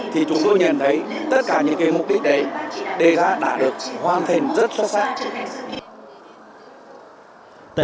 thì chúng tôi nhận thấy tất cả những mục đích đấy đề ra đã được hoàn thành rất xuất sắc